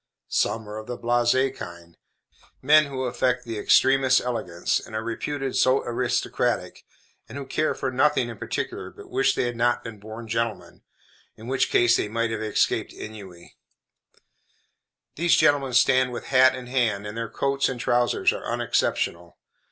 Some are of the blasé kind; men who affect the extremest elegance, and are reputed "so aristocratic," and who care for nothing in particular, but wish they had not been born gentlemen, in which case they might have escaped ennui. These gentlemen stand with hat in hand, and their coats and trousers are unexceptionable.